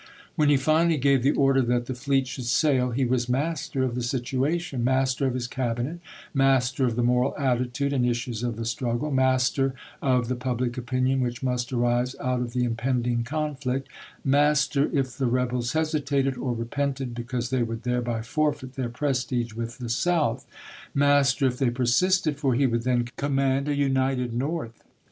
When he finally gave the order that the fleet should sail he was master of the situation ; master of his Cabinet ; master of the moral attitude and issues of the struggle; master of the public opin ion which must arise out of the impending con flict; master if the rebels hesitated or repented, because they would thereby forfeit their prestige with the South; master if they persisted, for he would then command a united North.